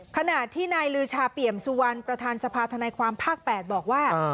ขณะที่นายลือชาเปี่ยมสุวรรณประธานสภาธนายความภาค๘บอกว่า